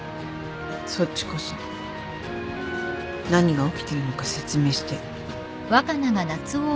そっちこそ何が起きてるのか説明して。